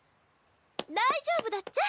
大丈夫だっちゃ。